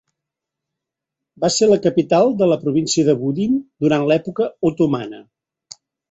Va ser la capital de la província de Budin durant l'època otomana.